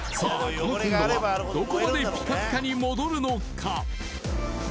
このコンロはどこまでピカピカに戻るのか？